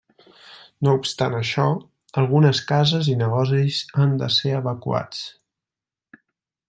No obstant això, algunes cases i negocis han de ser evacuats.